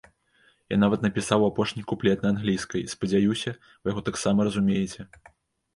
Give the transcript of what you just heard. Я нават напісаў апошні куплет на англійскай, спадзяюся, вы яго таксама разумееце.